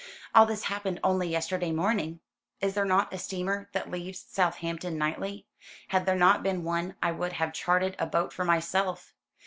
"All this happened only yesterday morning." "Is there not a steamer that leaves Southampton nightly? Had there not been one I would have chartered a boat for myself.